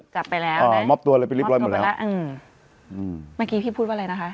จับไปแล้วอ่ามอบตัวอะไรไปเรียบร้อยหมดแล้วแล้วอืมเมื่อกี้พี่พูดว่าอะไรนะคะ